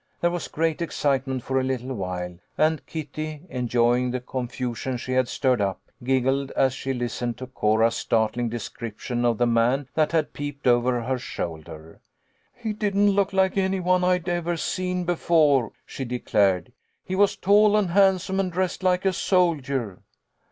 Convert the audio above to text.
There was great excitement for a little while, and Kitty, enjoying the confusion she had stirred up, giggled as she listened to Cora's startling description of the man that had peeped over her shoulder. ? He didn't look like any one I'd ever seen before," she declared. "He was tall and handsome and dressed like a soldier."